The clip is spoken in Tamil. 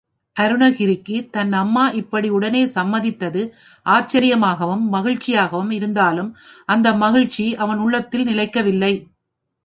அருணகிரிக்கு தன் அம்மா இப்படி உடனே சம்மதித்தது ஆச்சரியமாகவும் மகிழ்ச்சியாகவும இருந்தாலும் அந்த மகிழ்ச்சி அவன் உள்ளத்தில் நிலைக்கவில்லை.